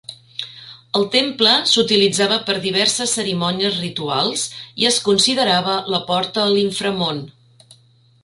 El temple s'utilitzava per a diverses cerimònies rituals, i es considerava la porta a l'inframón.